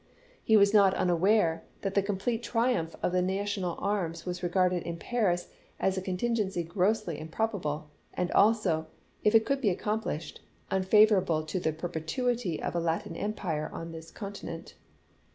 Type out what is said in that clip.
He was not unaware that the complete triumph of the national arms was regarded in Paris as a con tingency grossly improbable, and also — if it could be accomplished — unfavorable to the perpetuity ,of a Latin Empire on this continent.